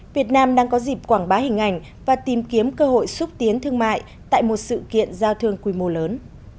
việt nam đang có dịp quảng bá hình ảnh và tìm kiếm cơ hội xúc tiến thương mại tại một sự kiện giao thương quy mô lớn